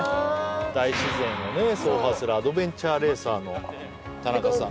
大自然を走破するアドベンチャーレーサーの田中さん